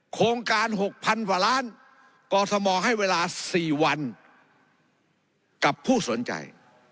โครงการ๖๐๐๐กว่าล้านกอทมให้เวลา๔วันกับผู้สนใจ